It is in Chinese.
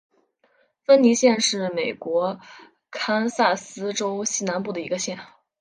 芬尼县是美国堪萨斯州西南部的一个县。